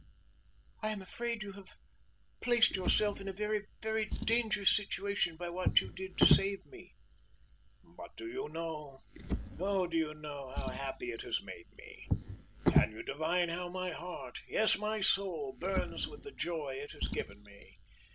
"I am afraid you have placed yourself in a very, very dangerous situation, by what you did to save me." "But do you know oh, do you know how happy it has made me? Can you divine how my heart yes, my soul burns with the joy it has given me?